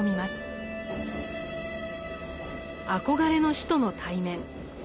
憧れの師との対面。